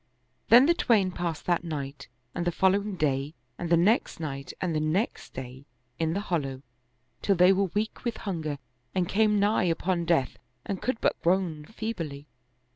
Then the twain passed that night and the following day and the next night and the next day in the hollow, till they were weak with hunger and came nigh upon death and could but groan feebly.